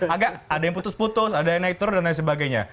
agak ada yang putus putus ada yang naik turun dan lain sebagainya